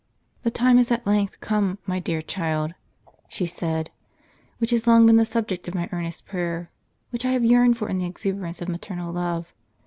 " The time is at length come, my dear child," she said, " which has long been the subject of my earnest prayer, which I have yearned for in the exuberance of maternal love.